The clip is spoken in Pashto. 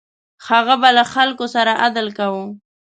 هغه به له خلکو سره عدل کاوه.